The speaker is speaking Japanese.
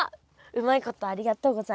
うまいことありがとうございます。